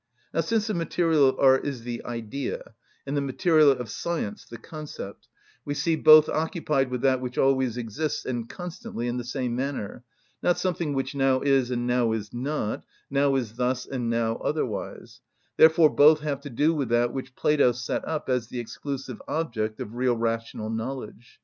Now since the material of art is the Idea, and the material of science the concept, we see both occupied with that which always exists and constantly in the same manner, not something which now is and now is not, now is thus and now otherwise; therefore both have to do with that which Plato set up as the exclusive object of real rational knowledge.